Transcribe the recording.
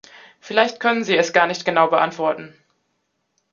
Vielleicht können Sie es gar nicht genau beantworten.